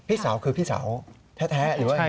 พี่สาวคือพี่สาวแท้หรือว่ายังไง